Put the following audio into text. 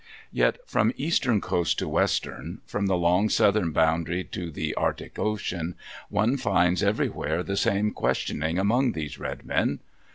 Yet from eastern coast to western, from the long southern boundary to the Arctic Ocean, one finds everywhere the same questioning among these red men.